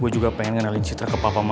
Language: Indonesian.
gue juga pengen kenalin citra ke papa mama